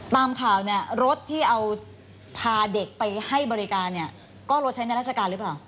ตามข่าวเนี่ยรถที่เอาพาเด็กไปให้บริการเนี่ยก็รถใช้ในราชการหรือเปล่า